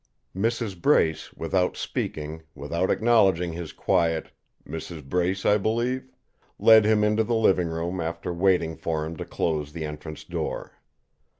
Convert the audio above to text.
Mrs. Brace, without speaking, without acknowledging his quiet "Mrs. Brace, I believe?" led him into the living room after waiting for him to close the entrance door.